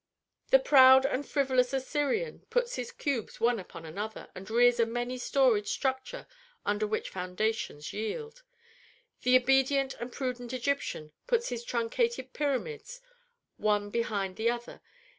"The proud and frivolous Assyrian puts his cubes one upon another, and rears a many storied structure under which foundations yield. The obedient and prudent Egyptian puts his truncated pyramids one behind the other.